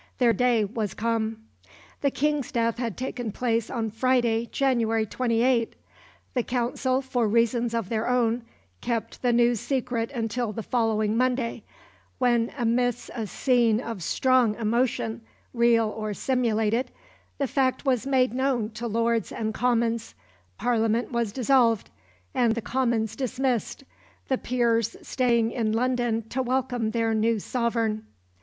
Their day was come. The King's death had taken place on Friday, January 28. The Council, for reasons of their own, kept the news secret until the following Monday, when, amidst a scene of strong emotion, real or simulated, the fact was made known to Lords and Commons, Parliament was dissolved, and the Commons dismissed, the peers staying in London to welcome their new sovereign.